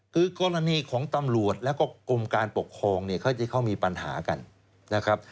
คือกรณีของตำรวจแล้วก็กรมการปกครองเนี่ยเขาจะเขามีปัญหากันนะครับ